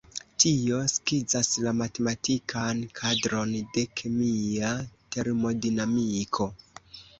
Tio skizas la matematikan kadron de kemia termodinamiko.